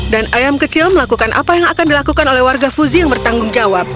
dan ayam kecil melakukan apa yang akan dilakukan oleh warga fuzi yang bertanggung jawab